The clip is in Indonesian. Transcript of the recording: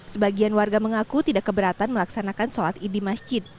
sebagian warga mengaku tidak keberatan melaksanakan sholat id di masjid